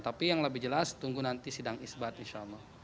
tapi yang lebih jelas tunggu nanti sidang isbat insya allah